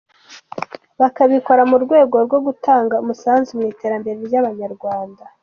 Bakabikora mu rwego rwo gutanga umusanzu mu iterambere ry’Abanyarwanda.